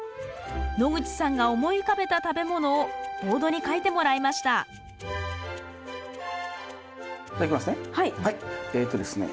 野口さんが思い浮かべた食べ物をボードに書いてもらいましたではいきますね。